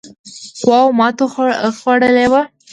قواوو ماته خوړلې وه.